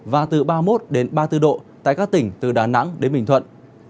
và từ ba mươi một đến ba mươi bốn độ tại các tỉnh từ đà nẵng đến bình thuận